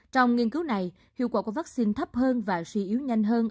trong nghiên cứu này hiệu quả của vaccine thấp hơn và suy yếu nhanh hơn